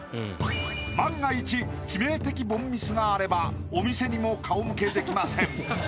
万が一致命的凡ミスがあればお店にも顔向けできません。